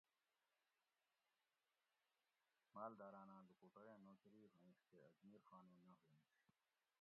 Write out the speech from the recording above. مالداراناں لوکوٹوریں نوکری ہوئنش تے اجمیر خانیں نہ ہوئنش